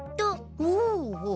ほうほう。